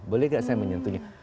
boleh nggak saya menyentuhnya